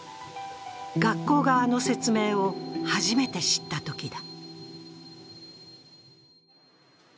学校側の説明を初めて知ったときだ。